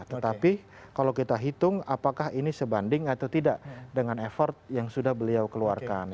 tetapi kalau kita hitung apakah ini sebanding atau tidak dengan effort yang sudah beliau keluarkan